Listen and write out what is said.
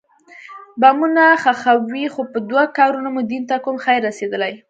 بمونه ښخوئ خو په دو کارونو مو دين ته کوم خير رسېدلى.